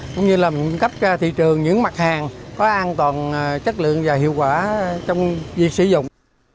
cũng như là cấp thị trường những mặt hàng có an toàn chất lượng và hiệu quả trong việc sử dụng